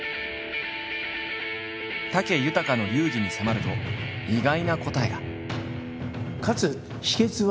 武豊の流儀に迫ると意外な答えが。